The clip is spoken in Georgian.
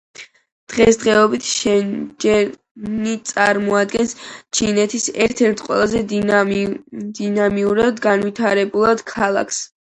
დღესდღეობით შენჯენი წარმოადგენს ჩინეთის ერთ-ერთ ყველაზე დინამიურად განვითარებად ქალაქს.